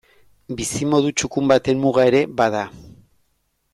Bizimodu txukun baten muga ere bada.